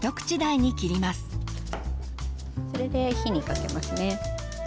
それで火にかけますね。